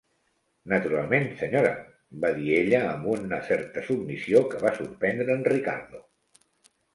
"Naturalment, senyora", va dir ella amb una certa submissió que va sorprendre en Ricardo.